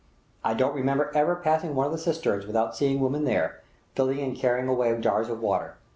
I don't remember ever passing one of these cisterns without seeing women there, filling and carrying away jars of water.